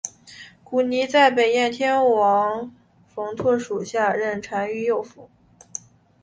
古泥在北燕天王冯跋属下任单于右辅。